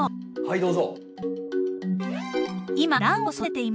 はいどうぞ。